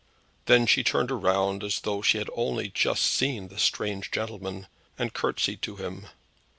Then she turned round as though she had only just seen the strange gentleman, and curtseyed to him.